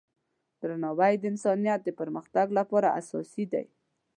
درناوی د انسانیت د پرمختګ لپاره اساسي دی.